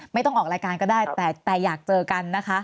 ไม่ต้องออกรายการก็ได้แต่อยากเจอกันนะคะ